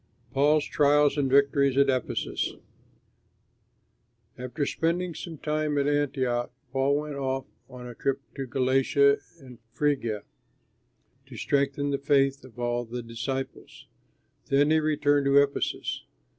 PAUL'S TRIALS AND VICTORIES AT EPHESUS After spending some time at Antioch Paul went off on a trip to Galatia and Phrygia to strengthen the faith of all the disciples; then he returned to Ephesus.